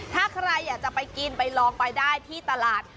ถ้าใครอยากจะไปกินไปลองไปได้ที่ตลาด